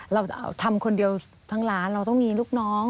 เราทำคนเดียวทั้งร้านเราต้องมีลูกน้อง